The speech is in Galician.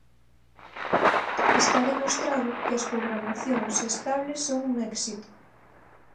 Está demostrado que as programacións estables son un éxito.